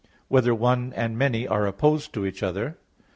(2) Whether "one" and "many" are opposed to each other?